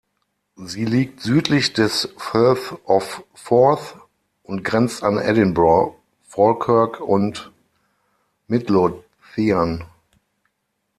Sie liegt südlich des Firth of Forth und grenzt an Edinburgh, Falkirk und Midlothian.